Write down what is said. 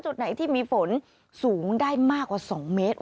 จุดไหนที่มีฝนสูงได้มากกว่า๒เมตร